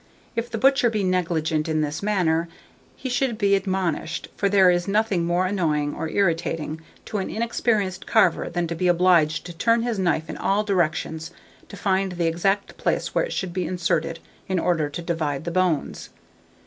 If the butcher be negligent in this matter, he should be admonished; for there is nothing more annoying or irritating to an inexperienced carver than to be obliged to turn his knife in all directions to find the exact place where it should be inserted in order to divide the bones.